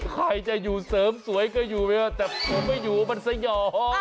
ใครจะอยู่เสริมสวยก็อยู่แต่กูไม่อยู่มันสยอง